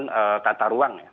penyalahgunaan tata ruang ya